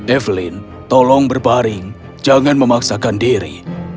evelyn tolong berbaring jangan memaksakan diri